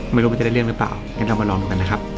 ไม่รู้มันจะได้เรื่องหรือเปล่างั้นเรามาลองดูกันนะครับ